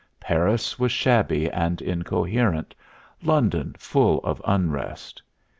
Paris was shabby and incoherent, London full of unrest.